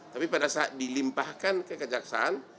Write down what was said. tapi pada saat dilimpahkan kekejaksaan